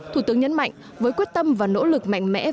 thủ tướng nhấn mạnh với quyết tâm và nỗ lực mạnh mẽ